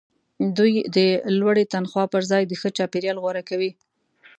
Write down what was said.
دوی د لوړې تنخوا پرځای د ښه چاپیریال غوره کوي